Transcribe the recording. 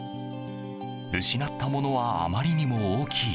失ったものはあまりにも大きい。